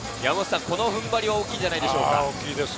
この踏ん張り、大きいんじゃないでしょうか。